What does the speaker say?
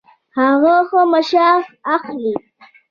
هغه ښه معاش اخلي